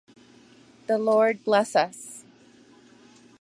The Lord bless us!